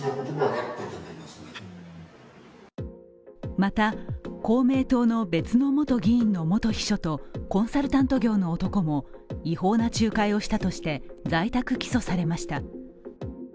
また、公明党の別の元議員の元秘書とコンサルタント業の男も違法な仲介をしたとして在宅起訴されました。